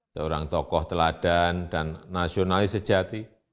seorang tokoh teladan dan nasionalis sejati